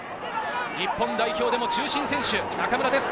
日本代表でも中心選手、中村です。